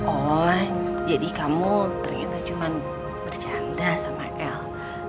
oh jadi kamu ternyata cuma bercanda sama el